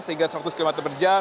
sehingga seratus km per jam